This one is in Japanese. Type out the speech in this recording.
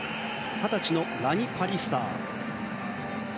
二十歳のラニ・パリスター。